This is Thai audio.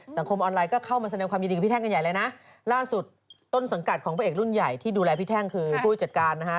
สังคมออนไลน์ก็เข้ามาแสดงความยินดีกับพี่แท่งกันใหญ่เลยนะล่าสุดต้นสังกัดของพระเอกรุ่นใหญ่ที่ดูแลพี่แท่งคือผู้จัดการนะฮะ